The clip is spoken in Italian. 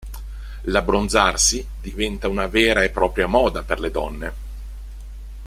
L'abbronzarsi diventa una vera e propria moda per le donne.